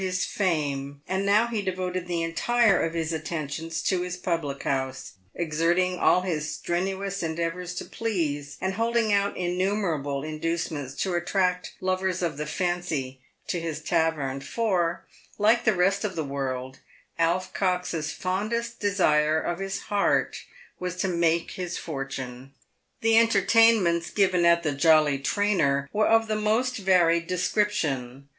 149 his fame, and now he devoted the entire of his attentions to his public house, exerting all his " strenuous endeavours to please," and holding out innumerable inducements to attract lovers of the fancy to his tavern, for, like the rest of the world, Alf Cox's fondest desire of his heart was to make his fortune. The entertainments given at the " Jolly Trainer" were of the most varied description.